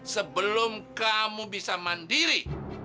sebelum kamu bisa mandiri